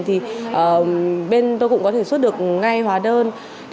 thì bên tôi cũng có thể xuất được ngay hóa đơn